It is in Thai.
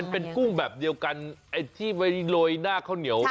เป็นกุ้งแบบเดียวกันไอ้ที่ไปโรยหน้าข้าวเหนียว